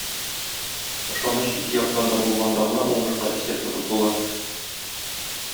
Ышаныч ике яктан да булганда гына уңышка исәп тотып була.